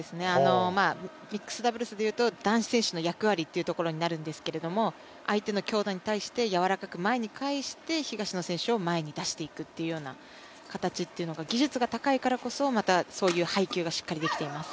ミックスダブルスでいうと男子選手の役割っていうところになると思うんですけど相手の強打に対して柔らかく前に返して東野さんを前に出していくっていうような形というのが技術が高いからこそそういう配球がしっかりできています。